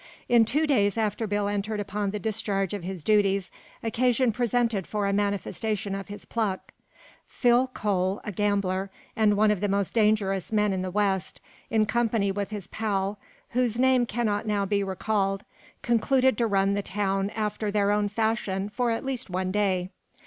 In two days after Bill entered upon the discharge of his duties, occasion presented for a manifestation of his pluck. Phil. Cole, a gambler, and one of the most dangerous men in the West, in company with his pal, whose name cannot now be recalled, concluded to run the town after their own fashion for at least one day.